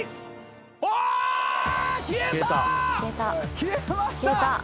消えました。